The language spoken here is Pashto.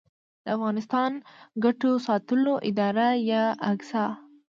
د افغانستان ګټو ساتلو اداره یا اګسا